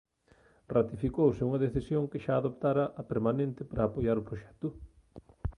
Ratificouse unha decisión que xa adoptara a permanente para apoiar o proxecto.